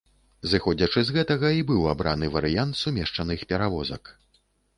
Зыходзячы з гэтага і быў абраны варыянт сумешчаных перавозак.